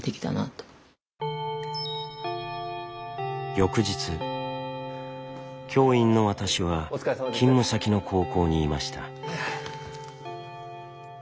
翌日教員の私は勤務先の高校にいました。